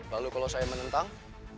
lalu kalau saya menentang